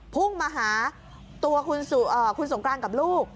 พุ่งมาหาตัวคุณสงกรานกับลูก